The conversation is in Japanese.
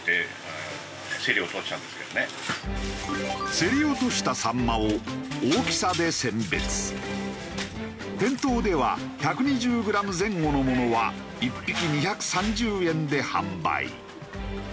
競り落とした店頭では１２０グラム前後のものは１匹２３０円で販売。